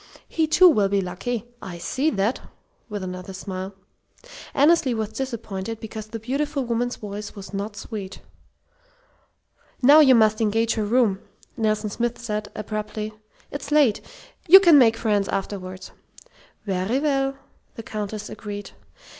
He, too, will be lucky. I see that!" with another smile. Annesley was disappointed because the beautiful woman's voice was not sweet. "Now you must engage her room," Nelson Smith said, abruptly. "It's late. You can make friends afterward." "Very well," the Countess agreed.